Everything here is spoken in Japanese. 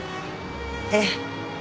ええ。